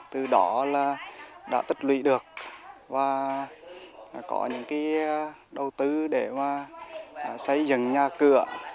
từ đó là đã tích lụy được và có những đầu tư để xây dựng nhà cửa